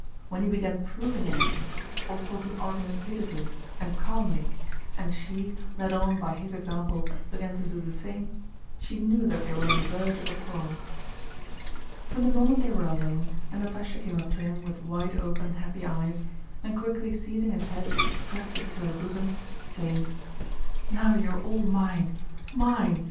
When he began proving anything, or talking argumentatively and calmly and she, led on by his example, began to do the same, she knew that they were on the verge of a quarrel. From the moment they were alone and Natásha came up to him with wide open happy eyes, and quickly seizing his head pressed it to her bosom, saying: "Now you are all mine, mine!